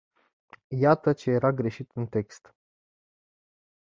Iată ce era greșit în text.